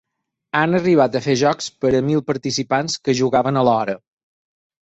Han arribat a fer jocs per a mil participants que jugaven alhora.